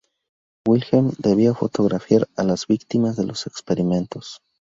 Wilhelm debía fotografiar a las víctimas de los experimentos.